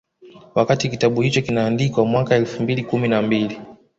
Wakati kitabu hicho kinaandikwa mwaka elfu mbili kumi na mbili